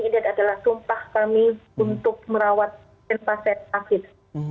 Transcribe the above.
ini adalah sumpah kami untuk merawat pasien pasien